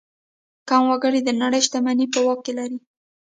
کم وګړي د نړۍ شتمني په واک لري.